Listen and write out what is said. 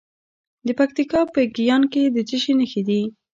د پکتیکا په ګیان کې د څه شي نښې دي؟